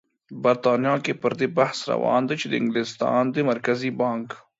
بریتانیا کې پر دې بحث روان دی چې د انګلستان د مرکزي بانک